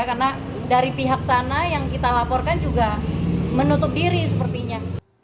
karena dari pihak sana yang kita laporkan juga menutup diri sepertinya